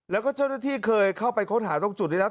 แล้วก็เจ้าหน้าที่เคยเข้าไปค้นหาตรงจุดนี้แล้ว